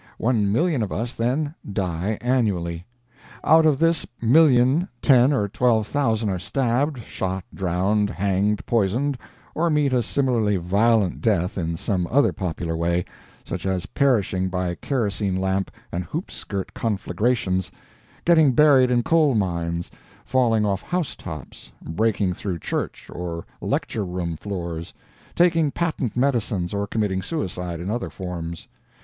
One million of us, then, die annually. Out of this million ten or twelve thousand are stabbed, shot, drowned, hanged, poisoned, or meet a similarly violent death in some other popular way, such as perishing by kerosene lamp and hoop skirt conflagrations, getting buried in coal mines, falling off house tops, breaking through church, or lecture room floors, taking patent medicines, or committing suicide in other forms.